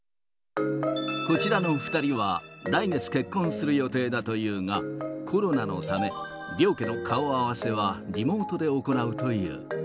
こちらの２人は、来月結婚する予定だというが、コロナのため、両家の顔合わせはリモートで行うという。